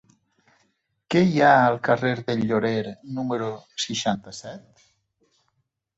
Què hi ha al carrer del Llorer número seixanta-set?